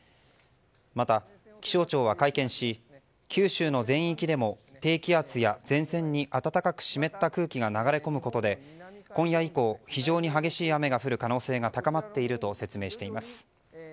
また、気象庁は会見し九州の全域でも低気圧や前線に暖かく湿った空気が流れ込むことで今夜以降、非常に激しい雨が降る可能性が高まっていると説明しています。